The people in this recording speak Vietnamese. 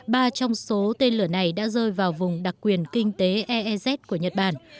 ba trong số tên lửa này đã rơi vào vùng đặc quyền kinh tế ez của nhật bản